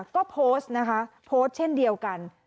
ก็โพสต์เช่นเดียวกัน